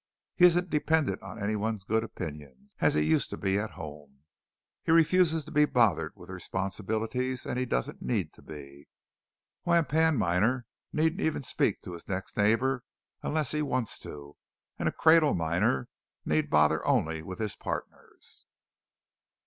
He isn't dependent on any one's good opinion, as he used to be at home. He refuses to be bothered with responsibilities and he doesn't need to be. Why a pan miner needn't even speak to his next neighbour unless he wants to; and a cradle miner need bother only with his partners!"